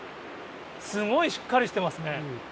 すごいしっかりしてますね。